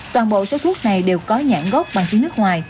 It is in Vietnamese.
toàn bộ số thuốc này đều có nhãn gốc bằng tiếng nước ngoài